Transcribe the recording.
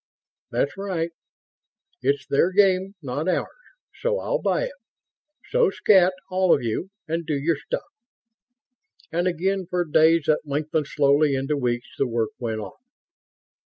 "That's right. It's their game, not ours, so I'll buy it. So scat, all of you, and do your stuff." And again, for days that lengthened slowly into weeks, the work went on.